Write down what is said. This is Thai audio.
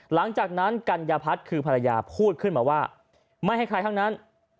หลังจากนั้นกัญญาพัฒน์คือภรรยาพูดขึ้นมาว่าไม่ให้ใครทั้งนั้น